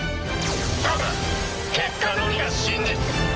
ただ結果のみが真実。